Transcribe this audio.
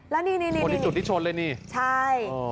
แล้วนี่นี่นี่คนที่จุดที่ชดเลยนี่ใช่อ๋อ